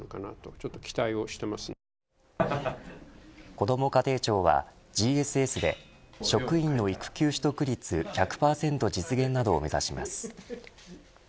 こども家庭庁はＧＳＳで職員の育休取得率１００％実現などを目指します。